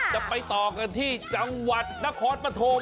จะไปต่อกันที่จังหวัดนครปฐม